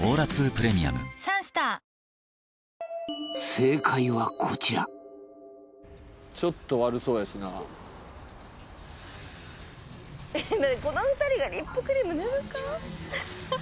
正解はこちらちょっと悪そうやしなだってこの２人がリップクリーム塗るか？